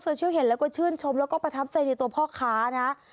เห็นแล้วก็ชื่นชมแล้วก็ประทับใจในตัวพ่อค้านะ